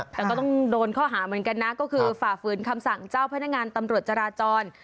แต่ก็ต้องโดนข้อหาเหมือนกันนะก็คือฝ่าฝืนคำสั่งเจ้าพนักงานตำรวจจราจร